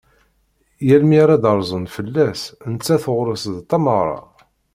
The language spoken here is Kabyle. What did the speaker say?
Yal mi ara d-rzun fell-as, nettat ɣur-s d tameɣra.